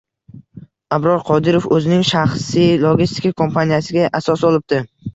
Abror Qodirov oʻzining shaxsiy logistika kompaniyasiga asos solibdi